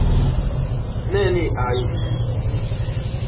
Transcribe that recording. Ne niaj!